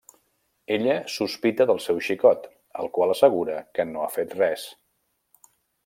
Ella sospita del seu xicot, el qual assegura que no ha fet res.